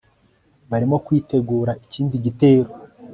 barimo kwitegura ikindi gitero